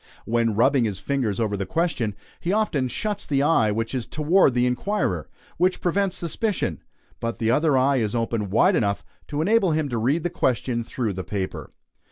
When rubbing his fingers over the question, he often shuts the eye which is toward the inquirer which prevents suspicion; but the other eye is open wide enough to enable him to read the question through the paper.